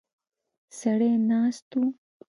سړی ناست و.